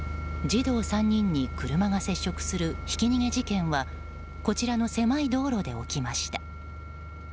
児童３人に車が接触するひき逃げ事件はこちらの狭い道路で起きました。